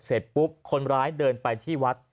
เสร็จปุ๊บคนร้ายเดินไปที่วัด